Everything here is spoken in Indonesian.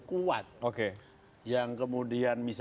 kuat yang kemudian